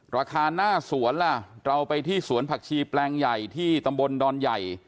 ราคาหน้าสวนล่ะเราไปที่สวนผักชีแปลงใหญ่ที่ตำบลดอนใหญ่